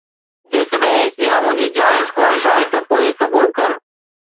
جيڪڏهن اها منهنجي جائز خواهش آهي ته پوءِ قبول ڪر